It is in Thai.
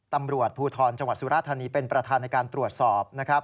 ตำรวจภูทรจังหวัดสุราธานีเป็นประธานในการตรวจสอบนะครับ